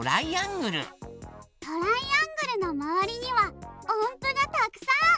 トライアングルのまわりにはおんぷがたくさん！